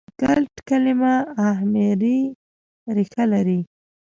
د ګلټ کلیمه اهمري ریښه لري.